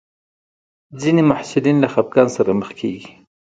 ځینې محصلین له خپګان سره مخ کېږي.